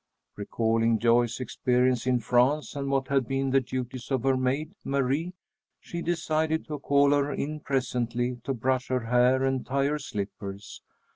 Recalling Joyce's experiences in France and what had been the duties of her maid, Marie, she decided to call her in presently to brush her hair and tie her slippers.